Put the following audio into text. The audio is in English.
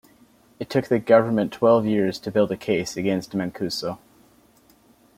It took the government twelve years to build a case against Mancuso.